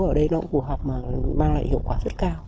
ở đây nó cũng phù hợp mà mang lại hiệu quả rất cao